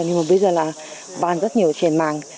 nhưng mà bây giờ là bán rất nhiều trên mạng